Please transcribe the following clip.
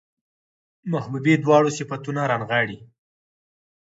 محبوبې دواړه صفتونه رانغاړي